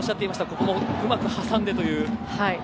ここもうまく挟んでという。